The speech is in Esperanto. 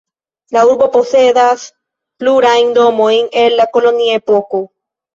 La urbo posedas plurajn domojn el la kolonia epoko.